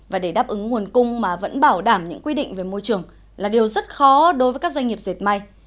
và để đáp ứng nguồn cung mà vẫn bảo đảm những quy định về môi trường là điều rất khó đối với các doanh nghiệp dệt may